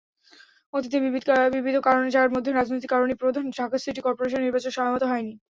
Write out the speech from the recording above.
অতীতে বিবিধ কারণে—যার মধ্যে রাজনৈতিক কারণই প্রধান—ঢাকা সিটি করপোরেশন নির্বাচন সময়মতো হয়নি।